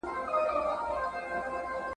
ده په ژوند داسي دانه نه وه لیدلې ..